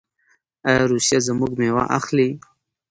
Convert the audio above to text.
آیا روسیه زموږ میوه اخلي؟